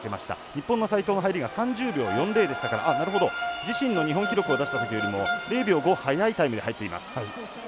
日本の齋藤の入りが３０秒４０でしたから自身の日本記録を出したときより０秒５速いタイムで入っています。